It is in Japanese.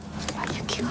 雪が。